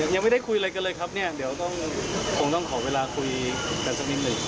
ยังไม่ได้คุยอะไรกันเลยครับเนี่ยเดี๋ยวคงต้องขอเวลาคุยกันสักนิดหนึ่ง